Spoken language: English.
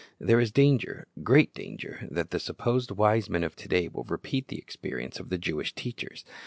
There is danger, great danger, that the supposed wise men of to day will repeat the experience of the Jewish teachers.